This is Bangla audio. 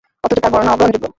অথচ তার বর্ণনা অগ্রহণযোগ্য।